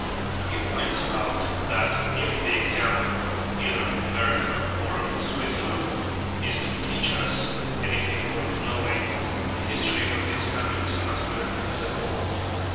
He points out that if the "example either of America or of Switzerland is to teach us anything worth knowing, the history of these countries must be read as a whole.